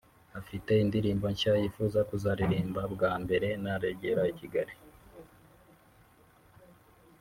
Afite indirimbo nshya yifuza kuzaririmba bwa mbere nagera i Kigali